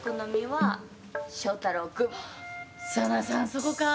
そこか。